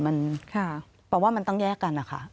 เพราะว่ามันต้องแยกกันอ่ะค่ะ